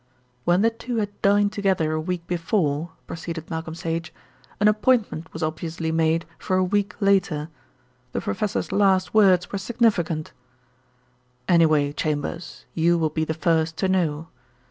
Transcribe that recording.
"When the two had dined together a week before," proceeded Malcolm Sage, "an appointment was obviously made for a week later. The professor's last words were significant: 'Anyway, Chambers, you will be the first to know.'